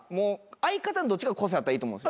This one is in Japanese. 相方のどっちか個性あったらいいと思うんです。